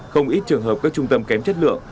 không ít trường hợp các trung tâm kém chất lượng